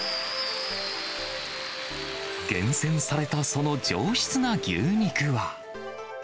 厳選されたその上質な牛肉は。